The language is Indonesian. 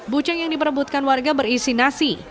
buceng yang diperebutkan warga berisi nasi